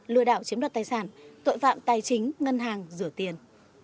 lừa đảo chiếm đoạt tài sản tội phạm tài chính ngân hàng rửa tiền